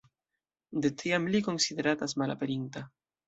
De tiam li konsideratas malaperinta.